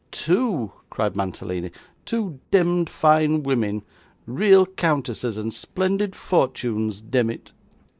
'Two!' cried Mantalini. 'Two demd fine women, real countesses and splendid fortunes, demmit.